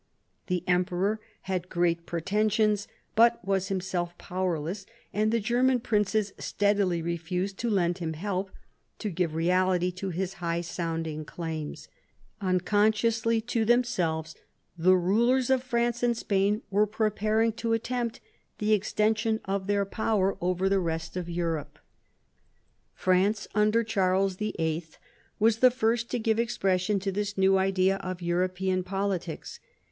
The emperor had great pretensions, but was himself powerless, and the German princes steadily refused to lend him help to give reality to his high sounding claims. Unconsciously to themselves, the rulers of France and Spain were preparing to attempt the exten sion of their power over the rest of Europe. 6 THOMAS WOLSEY chap. France under Charles VIII. was the first to give expression to this new idea of European politics.